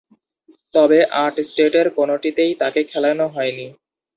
তবে, আট টেস্টের কোনটিতেই তাকে খেলানো হয়নি।